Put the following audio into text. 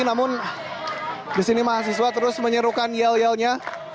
namun di sini mahasiswa terus menyerukan yel yelnya